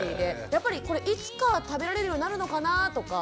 やっぱりこれいつか食べられるようになるのかなぁとか。